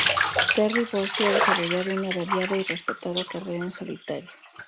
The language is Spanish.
Terry Bozzio ha desarrollado una variada y respetada carrera en solitario.